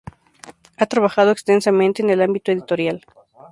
Ha trabajado extensamente en el ámbito editorial.